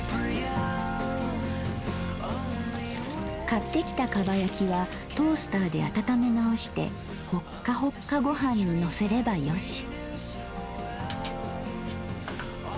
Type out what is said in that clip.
買ってきた蒲焼きはトースターで温め直してホッカホッカ御飯にのせればよし。